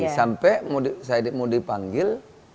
sampai saya mau dipanggil